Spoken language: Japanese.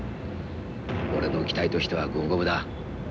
俺の期待としては五分五分だ。